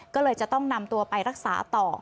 ก็เลยจะต้องนำตัวไปรักษาต่อ